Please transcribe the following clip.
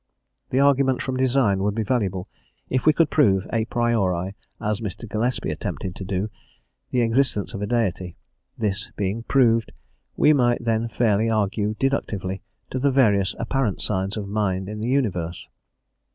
The argument from design would be valuable if we could prove, a priori, as Mr. Gillespie attempted to do,* the existence of a Deity; this being proved we might then fairly argue deductively to the various apparent signs of mind in the universe.